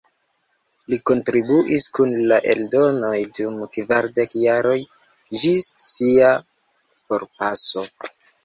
Li kontribuis kun la eldonoj dum kvardek jaroj, ĝis sia forpaso.